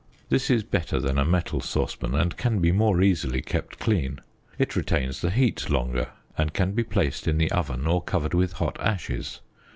This is better than a metal saucepan, and can be more easily kept clean; it retains the heat longer, and can be placed in the oven or covered with hot ashes.